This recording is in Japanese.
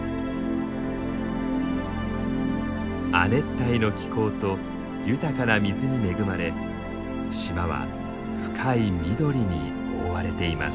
亜熱帯の気候と豊かな水に恵まれ島は深い緑に覆われています。